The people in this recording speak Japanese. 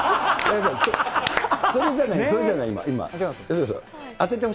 それじゃない、それじゃない、違います？